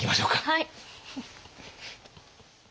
はい！